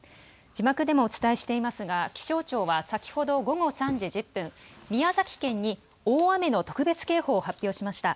字幕でもお伝えしていますが、気象庁は先ほど午後３時１０分、宮崎県に大雨の特別警報を発表しました。